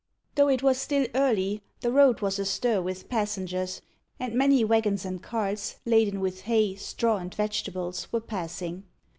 Though it was still early, the road was astir with passengers; and many waggons and carts, laden with hay, straw, and vegetables, were passing.